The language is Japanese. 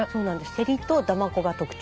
せりとだまこが特徴。